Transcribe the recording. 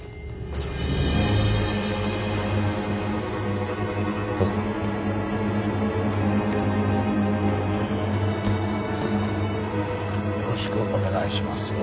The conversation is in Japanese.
どうぞよろしくお願いしますよ